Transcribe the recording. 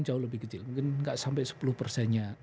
jauh lebih kecil mungkin enggak sampai sepuluh